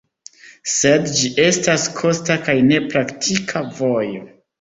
Sed ĝi estas kosta kaj ne praktika vojo.